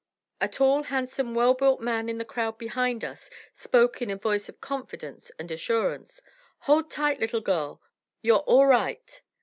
A tall, handsome, well built man in the crowd behind us spoke in a voice of confidence and assurance. "Hold tight, little girl. You're all right!"